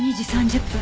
１２時３０分。